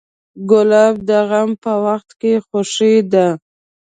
ګلاب د غم په وخت خوښي ده.